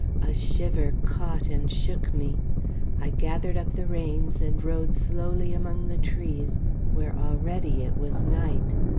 A shiver caught and shook me; I gathered up the reins and rode slowly among the trees, where already it was night.